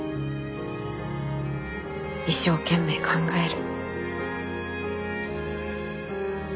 一生懸命考える。